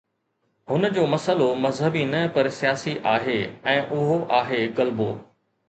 هن جو مسئلو مذهبي نه پر سياسي آهي ۽ اهو آهي غلبو.